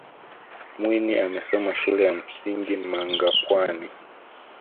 mwinyi amesoma shule ya msingi mangapwani